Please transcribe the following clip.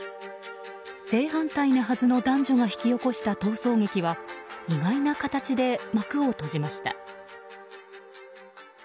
正反対なはずの男女が引き起こした逃走劇は意外な形で幕を閉じました。